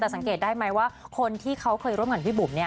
แต่สังเกตได้ไหมว่าคนที่เขาเคยร่วมกับพี่บุ๋มเนี่ย